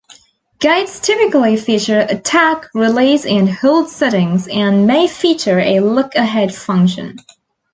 Gates typically feature 'attack', 'release', and 'hold' settings and may feature a 'look-ahead' function.